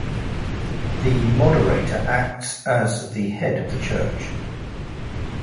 The moderator acts as the head of the church.